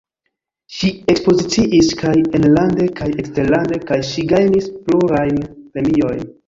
Ŝi ekspoziciis kaj enlande kaj eksterlande, kaj ŝi gajnis plurajn premiojn.